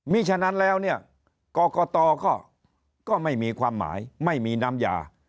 มีฉะนั้นแล้วเนี่ยกรกตก็ไม่มีความหมายไม่มีน้ำยา